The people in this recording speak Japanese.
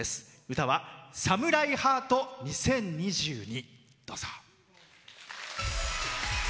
歌は「サムライハート２０２２」。